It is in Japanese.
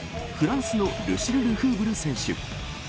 フランスのルシル・ルフーブル選手。